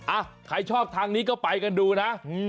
อ่ะใครชอบทางนี้ก็ไปกันดูนะ